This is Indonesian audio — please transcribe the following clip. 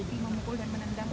atau menanggung dan menendang